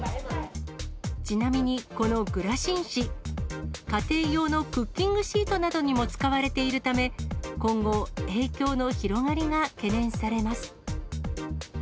ちなみに、このグラシン紙、家庭用のクッキングシートなどにも使われているため、今後、影響の広がりが懸念されます。